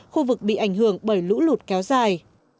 khu vực bị ảnh hưởng bởi lũ lụt kéo dài